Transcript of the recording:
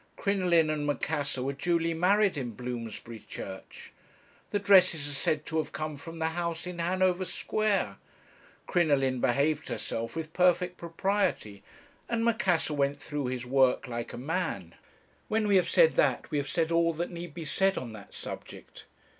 Crinoline and Macassar were duly married in Bloomsbury Church. The dresses are said to have come from the house in Hanover Square. Crinoline behaved herself with perfect propriety, and Macassar went through his work like a man. When we have said that, we have said all that need be said on that subject.